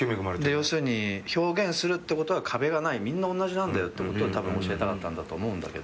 要するに表現するってことは壁がないみんなおんなじなんだってことをたぶん教えたかったんだと思うんだけど。